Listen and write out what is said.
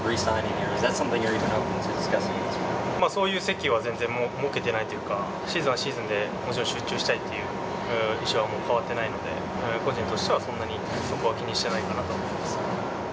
そういう席は全然設けてないというか、シーズンはシーズンで、もちろん集中したいっていう意思はもう変わってないので、個人としてはそんなに、そこは気にしてないかなと思います。